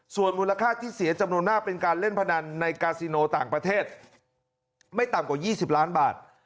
ส่วนมูลค่าที่เสียจำนวนมากเป็นการเล่นพนันในกาซิโนต่างประเทศไม่ต่ำกว่า๒๐ล้านบาท